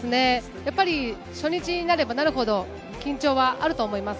初日になればなるほど緊張はあると思います。